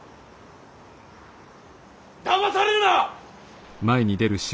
だまされるな！